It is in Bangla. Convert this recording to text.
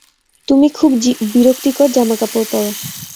তুমি খুব বিরক্তিকর জামাকাপড় পরো।